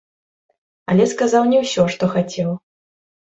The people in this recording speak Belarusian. Але сказаў не ўсё, што хацеў.